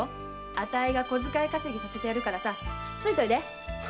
あたいが小遣い稼ぎさせてやるから付いといで。